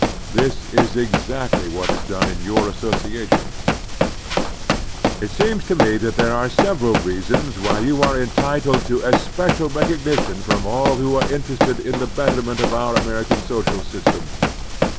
This is exactly what is done in your associations. It seems to me that there are several reasons why you are entitled to especial recognition from all who are interested in the betterment of our American social system.